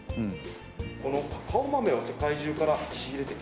このカカオ豆を世界中から仕入れてきまして。